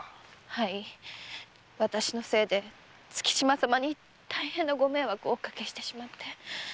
はい私のせいで月島様に大変なご迷惑をおかけして。